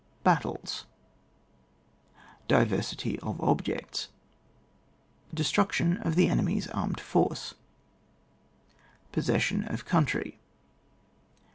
Battles — Diversity of objects Destruction of the enemy's armed force — ^Possession of country.